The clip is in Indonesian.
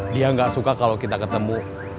dia nggak suka kalau kita ketemu